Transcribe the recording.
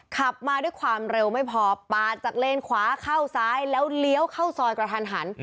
ขับมาด้วยความเร็วไม่พอปาดจากเลนขวาเข้าซ้ายแล้วเลี้ยวเข้าซอยกระทันหัน